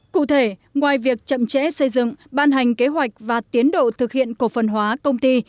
cụ thể ngoài việc chậm trễ xây dựng ban hành kế hoạch và tiến độ thực hiện cổ phần hóa công ty